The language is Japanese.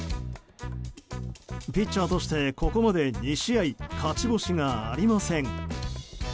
ピッチャーとしてここまで２試合勝ち星がありません。